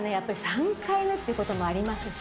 ３回目ってこともありますし。